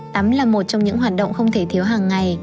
tắm là một trong những hoạt động không thể thiếu hàng ngày